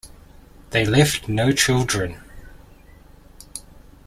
They left no children.